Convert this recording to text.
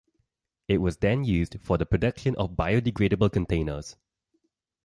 It was then used for the production of biodegradable containers.